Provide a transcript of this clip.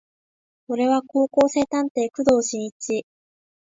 俺は高校生探偵工藤新一